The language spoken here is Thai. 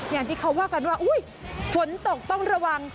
อย่างที่เขาว่ากันว่าอุ๊ยฝนตกต้องระวัง